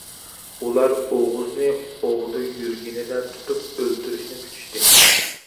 ئۇلار ئوغۇزنى ئوۋدا يۈرگىنىدە تۇتۇپ ئۆلتۈرۈشنى پۈتۈشتى.